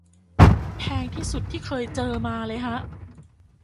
แพงที่สุดที่เคยเจอมาเลยฮะ